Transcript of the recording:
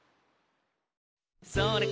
「それから」